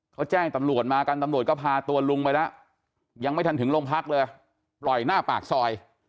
เขาแจ้งตำรวจมากันตำรวจก็พาตัวลุงไปแล้วยังไม่ทันถึงโรงพักเลยปล่อยหน้าปากซอย